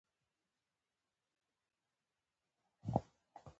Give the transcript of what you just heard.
ازادي راډیو د د اوبو منابع په اړه د ټولنې د ځواب ارزونه کړې.